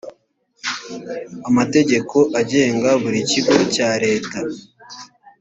amategeko agenga buri kigo cya leta.